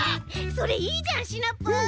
それいいじゃんシナプー！